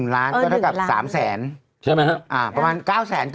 ๑ล้านก็เท่ากับ๓แสน